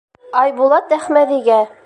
Айбулат Әхмәҙигә: